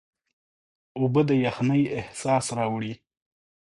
اوبه د یخنۍ احساس راوړي.